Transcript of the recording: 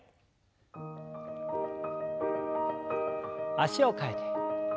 脚を替えて。